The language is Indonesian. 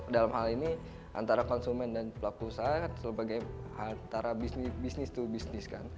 dalam hal ini kan antara konsumen dan pelaku usaha antara bisnis itu bisnis kan